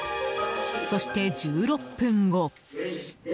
そして、１６分後。